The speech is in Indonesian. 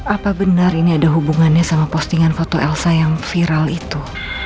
apa benar ini ada hubungannya sama postingan foto elsa yang viral itu